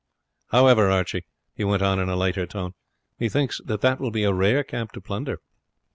However, Archie," he went on in a lighter tone, "methinks that that will be a rare camp to plunder."